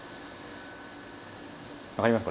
分かります？